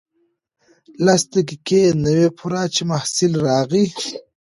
لس دقیقې نه وې پوره چې محصل راغی.